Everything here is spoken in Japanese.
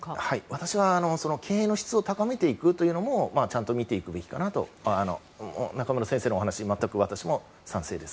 私は、経営の質を高めていくというのもちゃんと見ていくべきかなと中室先生のお話に私も賛成です。